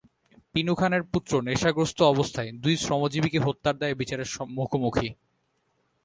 পিনু খানের পুত্র নেশাগ্রস্ত অবস্থায় দুই শ্রমজীবীকে হত্যার দায়ে বিচারের মুখোমুখি।